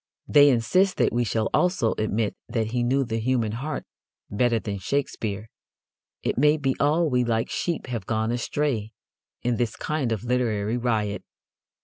They insist that we shall also admit that he knew the human heart better than Shakespeare. It may be all we like sheep have gone astray in this kind of literary riot.